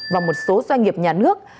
và một số doanh nghiệp nhà nước